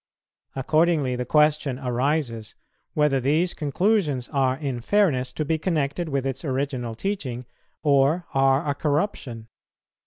Accordingly the question arises, whether these conclusions are in fairness to be connected with its original teaching or are a corruption.